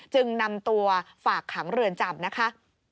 จึงนำตัวฝากขังเรือนจำนะคะ